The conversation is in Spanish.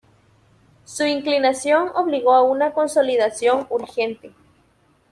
Su inclinación obligó a una consolidación urgente.